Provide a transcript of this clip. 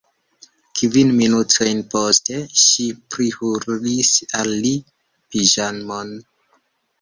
Kvin minutojn poste, ŝi prihurlis al li piĵamon.